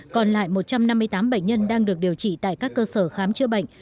còn lại một trăm năm mươi tám bệnh nhân đang được điều trị tại các cơ sở khám chữa bệnh